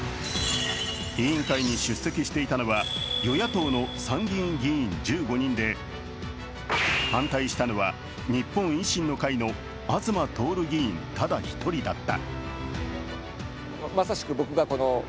委員会に出席していたのは与野党の参議院議員１５人で、反対したのは日本維新の会の東徹議員ただ１人だった。